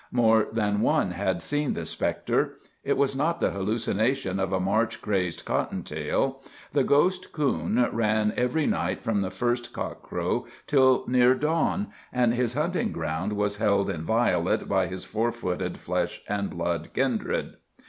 More than one had seen the spectre. It was not the hallucination of a March crazed cotton tail. The ghost coon ran every night from the first cock crow till near dawn, and his hunting ground was held inviolate by his four footed flesh and blood kindred.